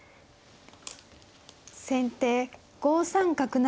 先手５三角成。